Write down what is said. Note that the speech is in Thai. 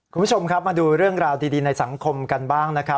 คุณผู้ชมครับมาดูเรื่องราวดีในสังคมกันบ้างนะครับ